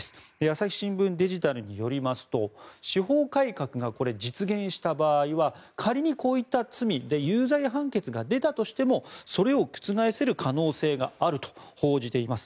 朝日新聞デジタルによりますと司法改革が実現した場合は仮にこういった罪で有罪判決が出たとしてもそれを覆せる可能性があると報じています。